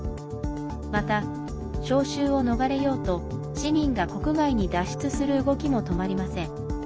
また、招集を逃れようと市民が国外に脱出する動きも止まりません。